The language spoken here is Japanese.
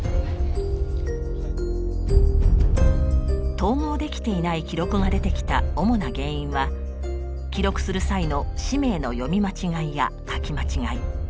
統合できていない記録が出てきた主な原因は記録する際の氏名の読み間違いや書き間違い。